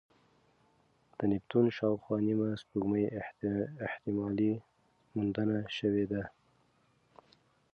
د نیپتون شاوخوا نیمه سپوږمۍ احتمالي موندنه شوې ده.